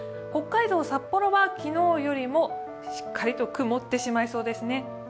北海道・札幌は昨日よりもしっかりと曇ってしまいそうですね。